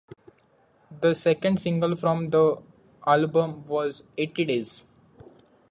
The second single from the album was "Eighty Days".